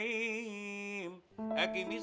hakim is salatah liruq is samsi'ila